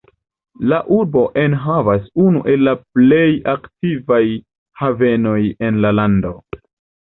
La urbo enhavas unu el la plej aktivaj havenoj en la lando.